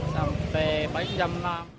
sampai pagi jam enam